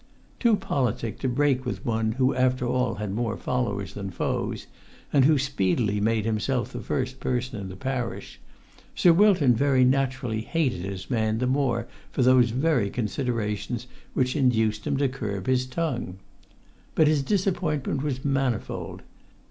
Too politic to break with one who after all had more followers than foes, and who speedily made himself the first person in the parish, Sir Wilton very naturally hated his man the more for those very considerations which induced him to curb his tongue. But his disappointment was manifold.